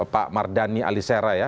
pak mardani alisera